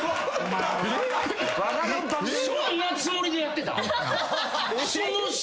そんなつもりでやってたん？